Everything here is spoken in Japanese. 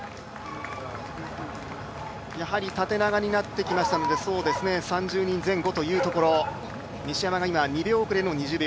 やはり縦長になってきましたので３０人前後というところ西山が２秒差